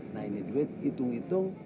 nah ini duit hitung hitung